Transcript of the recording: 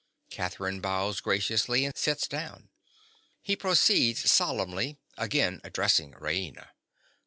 (_Catherine bows graciously and sits down. He proceeds solemnly, again addressing Raina.